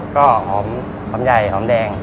ก็หอมหอมใหญ่หอมแดง